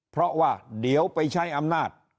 เพราะว่าเดี๋ยวไปใช้อำนาจ